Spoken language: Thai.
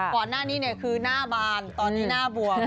ก่อนหน้านี้คือหน้าบานตอนนี้หน้าบวม